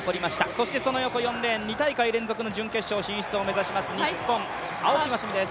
そしてその横４レーン、２大会連続準決勝進出を目指します日本、青木益未です。